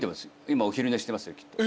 今お昼寝してますよきっと。